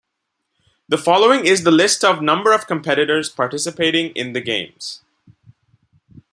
The following is the list of number of competitors participating in the Games.